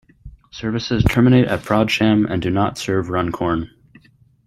Services terminate at Frodsham and do not serve Runcorn.